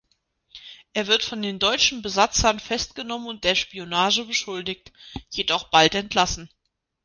Er wird von den deutschen Besatzern festgenommen und der Spionage beschuldigt, jedoch bald entlassen.